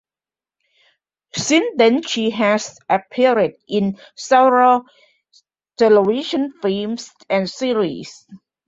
Since then she has appeared in several television films and series.